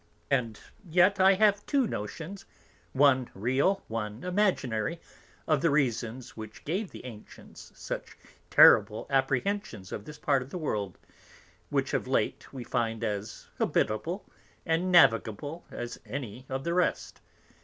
And yet I have two Notions, one real, one imaginary, of the Reasons which gave the Ancients such terrible Apprehensions of this Part of the World; which of late we find as Habitable and Navigable as any of the rest.